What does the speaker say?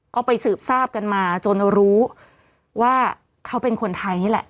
ก็ไปสืบทราบกันมาจนรู้ว่าเขาเป็นคนไทยนี่แหละ